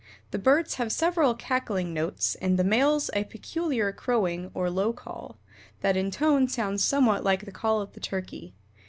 The birds have several cackling notes, and the males a peculiar crowing or low call, that in tone sounds somewhat like the call of the Turkey.